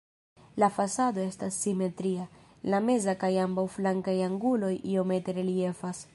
La fasado estas simetria, la meza kaj ambaŭ flankaj anguloj iomete reliefas.